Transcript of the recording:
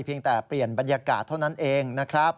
แต่เปลี่ยนบรรยากาศเท่านั้นเองนะครับ